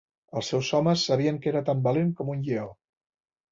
Els seus homes sabien que era tan valent com un lleó.